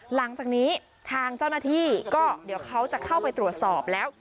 หลังจากนี้ทางเจ้าหน้าที่ก็เดี๋ยวเขาจะเข้าไปตรวจสอบแล้ว